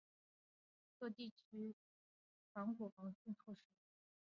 各地文旅部门要强化旅游行业防火防汛措施